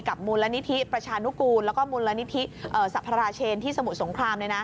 กับมูลละนิทธิประชานุกูลและมูลละนิทธิสัพราเชนที่สมุทรสงคราม